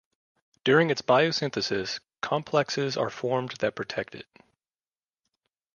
During its biosynthesis, complexes are formed that protect it.